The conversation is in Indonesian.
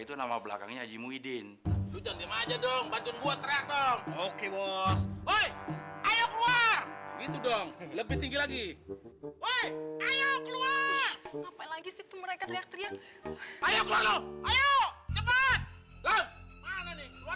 itu nama belakangnya haji muhyiddin lu jangan ngemajain dong bantuin gua track dong oke bos